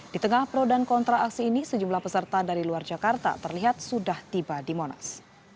di tengah pro dan kontra aksi ini sejumlah peserta dari luar jakarta terlihat sudah tiba di monas